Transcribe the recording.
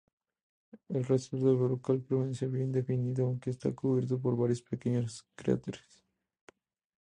El resto del brocal permanece bien definido, aunque está cubierto por varios pequeños cráteres.